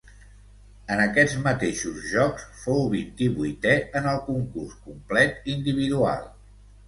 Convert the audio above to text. En aquests mateixos Jocs fou vint-i-vuitè en el concurs complet individual.